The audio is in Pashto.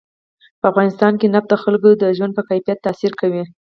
په افغانستان کې نفت د خلکو د ژوند په کیفیت تاثیر کوي.